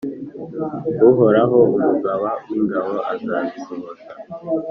Uhoraho Umugaba w’ingabo azabisohoza,